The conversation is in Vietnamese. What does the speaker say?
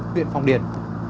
huyện phong điền